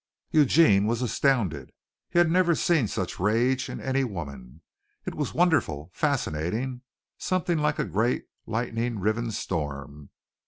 Eugene was astounded. He had never seen such rage in any woman. It was wonderful, fascinating, something like a great lightning riven storm.